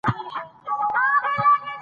دې ژبې ته باید درناوی وشي.